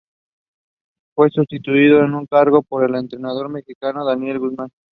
Fue sustituido en su cargo por el entrenador mexicano Daniel Guzmán.